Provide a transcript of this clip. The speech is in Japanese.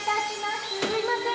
すみません。